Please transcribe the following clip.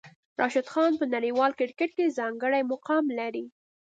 راشد خان په نړیوال کرکټ کې ځانګړی مقام لري.